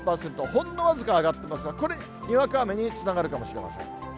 ほんの僅か上がっていますが、これ、にわか雨につながるかもしれません。